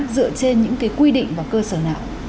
dựa trên những cái quy định và cơ sở nào